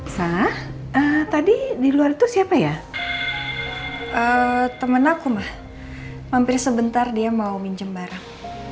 sah tadi di luar itu siapa ya temen aku mah hampir sebentar dia mau minjem barang